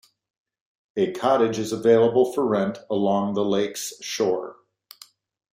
A cottage is available for rent along the lake's shore.